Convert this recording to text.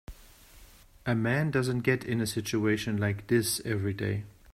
A man doesn't get in a situation like this every day.